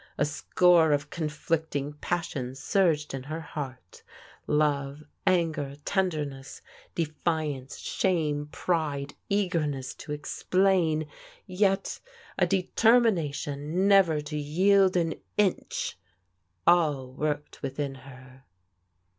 A score of con flicting passions surged in her heart. Love, anger, ten derness, defiance, shame, pride, eag<emess to explain, yet THE HORROR OF THE AWAKENING 251 determination never to yield an inch all worked within er.